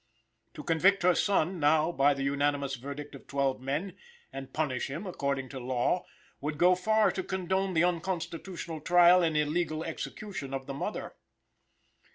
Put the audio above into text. To convict her son, now, by the unanimous verdict of twelve men, and punish him according to law, would go far to condone the unconstitutional trial and illegal execution of the mother.